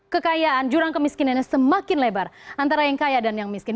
kekayaan jurang kemiskinannya semakin lebar antara yang kaya dan yang miskin